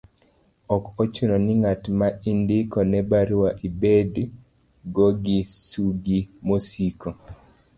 ok ochuno ni ng'at ma indiko ne baruani ibed go gi sigu mosiko